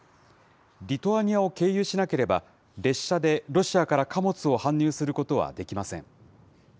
リトアニアを経由しなければ、列車でロシアから貨物を搬入することはできません。